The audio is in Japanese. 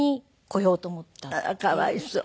ああかわいそう。